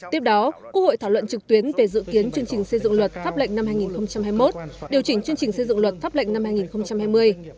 tiếp đó quốc hội thảo luận trực tuyến về dự kiến chương trình xây dựng luật pháp lệnh năm hai nghìn hai mươi một điều chỉnh chương trình xây dựng luật pháp lệnh năm hai nghìn hai mươi